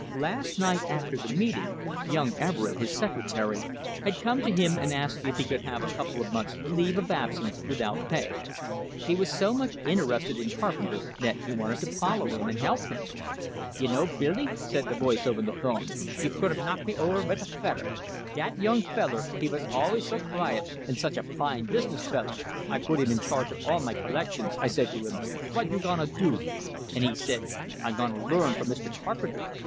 Last night, after the meeting, young Everett, his secretary, had come to him and asked if he could have a couple of months' leave of absence without pay. He was so much interested in Carpenter that he wanted to follow him and help him! "Y' know, Billy," said the voice over the phone, "y' could a' knocked me over vit a fedder! Dat young feller, he vas alvays so quiet, and such a fine business feller, I put him in charge of all my collections. I said to him, 'Vot you gonna do?' And he said, 'I gonna learn from Mr. Carpenter.'